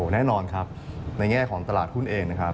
แน่นอนครับในแง่ของตลาดหุ้นเองนะครับ